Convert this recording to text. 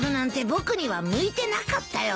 僕には向いてなかったよ。